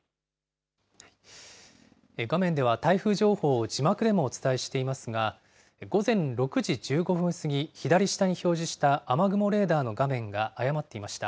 画面では、台風情報を字幕でもお伝えしていますが、午前６時１５分過ぎ、左下に表示した雨雲レーダーの画面が誤っていました。